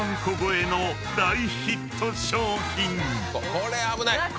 これ危ない！